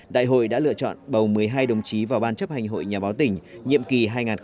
đại hội đã lựa chọn bầu một mươi hai đồng chí vào ban chấp hành hội nhà báo tỉnh nhiệm kỳ hai nghìn hai mươi hai nghìn hai mươi năm